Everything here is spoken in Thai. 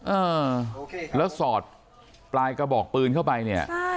เออแล้วสอดปลายกระบอกปืนเข้าไปเนี่ยใช่